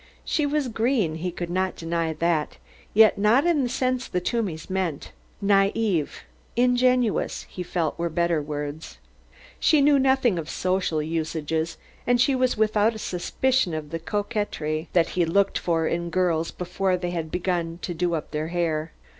She was "green," he could not deny that, yet not in the sense the Toomeys meant. Naïve, ingenuous, he felt were better words. She knew nothing of social usages, and she was without a suspicion of the coquetry that he looked for in girls before they had begun to do up their hair.